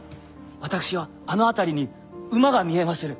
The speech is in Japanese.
私はあの辺りに馬が見えまする。